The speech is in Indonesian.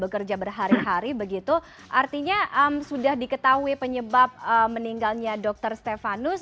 bekerja berhari hari begitu artinya sudah diketahui penyebab meninggalnya dokter stefanus